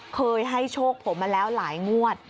เคยให้โชคผมมาแล้วหลายงวด